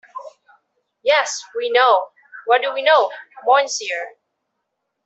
Yes, we know — what do we know, monsieur?